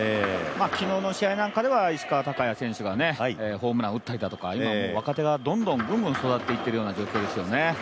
昨日の試合なんかでは、石川昂弥選手がホームランを打ったりとか、今、若手がぐんぐん育っていってるような感じですよね。